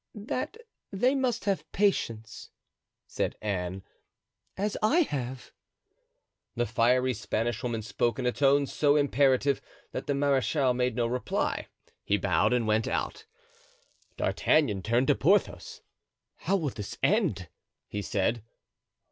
"That they must have patience," said Anne, "as I have." The fiery Spanish woman spoke in a tone so imperative that the marechal made no reply; he bowed and went out. (D'Artagnan turned to Porthos. "How will this end?" he said.